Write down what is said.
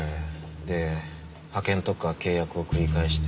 で派遣とか契約を繰り返して。